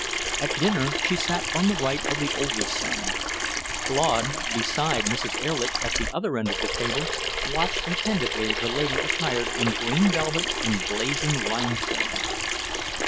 At dinner she sat on the right of the oldest son. Claude, beside Mrs. Erlich at the other end of the table, watched attentively the lady attired in green velvet and blazing rhinestones.